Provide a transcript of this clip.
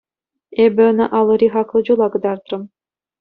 Эпӗ ӑна алӑри хаклӑ чула кӑтартрӑм.